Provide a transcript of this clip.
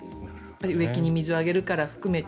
植木に水をあげるから含めて。